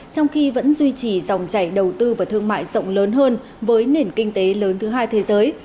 trong khi vẫn duy trì dòng chảy đầu tư và thương mại rộng lớn hơn với nền kinh tế lớn thứ hai thế giới